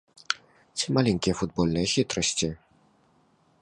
Ці маленькія футбольныя хітрасці?